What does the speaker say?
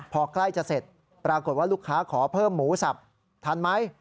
พอใกล้จะเสร็จปรากฏว่าลูกค้าขอเพิ่มหมูสับทันไหม